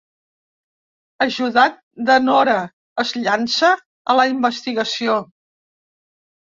Ajudat de Nora, es llança a la investigació.